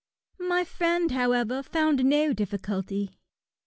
My friend, however, found no difficulty.